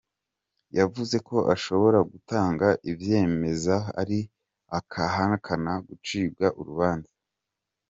Yavuze ko ashobora gutanga ivyemeza ariko arahakana gucibwa urubanza n'ibinyamakuru.